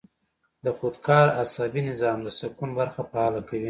د خودکار اعصابي نظام د سکون برخه فعاله کوي -